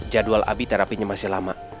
jadwal abi terapinya masih lama